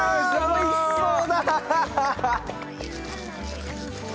おいしそう！